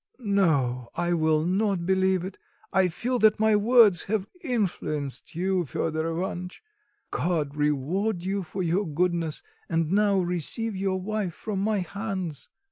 No, I will not believe it. I feel that my words have influenced you, Fedor Ivanitch. God reward you for your goodness, and now receive your wife from my hands."